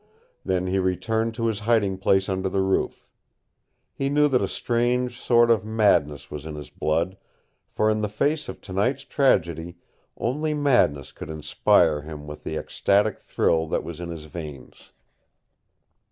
Then he returned to his hiding place under the roof. He knew that a strange sort of madness was in his blood, for in the face of tonight's tragedy only madness could inspire him with the ecstatic thrill that was in his veins.